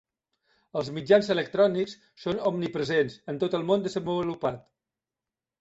Els mitjans electrònics són omnipresents en tot el món desenvolupat.